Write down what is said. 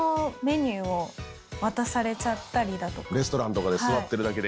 レストランとかで座ってるだけで。